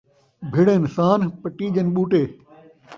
بھِڑن سانھ پٹیجن ٻوٹے